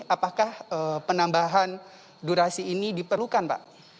apakah penambahan durasi ini diperlukan pak